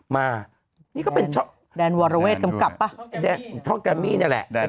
มานี่ก็เป็นช่องแดนวอร์ลาเวทกำกับป่ะท่องแกมี่เนี้ยแหละเป็น